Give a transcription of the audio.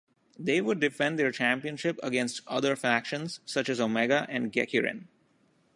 They would defend their championship against other factions such as Omega and Gekirin.